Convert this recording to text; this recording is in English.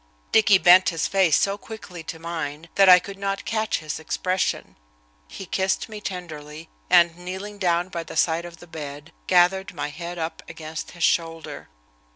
Dicky bent his face so quickly to mine that I could not catch his expression. He kissed me tenderly, and, kneeling down by the side of the bed, gathered my head up against his shoulder.